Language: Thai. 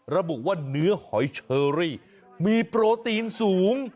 ระบุว่าเนื้อหอยเชอรี่มีโปรตีนสูง